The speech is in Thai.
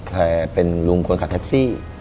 ใครเป็นลุงคนขับแท็กซี่